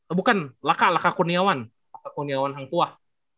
oh bukan laka laka kuniawan laka kuniawan hangtuah